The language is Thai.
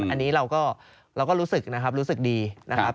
อันนี้เราก็รู้สึกนะครับรู้สึกดีนะครับ